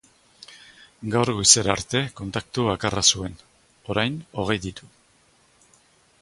Gaur goizerarte kontaktu bakarra zuen, orain hogei ditu.